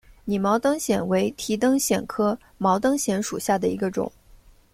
拟毛灯藓为提灯藓科毛灯藓属下的一个种。